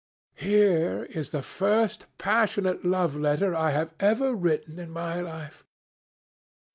Here is the first passionate love letter I have ever written in my life.